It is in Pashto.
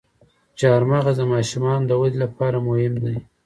چارمغز د ماشومانو د ودې لپاره مهم دی.